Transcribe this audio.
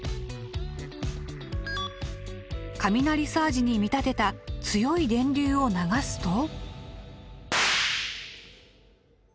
雷サージに見立てた強い電流を流すと。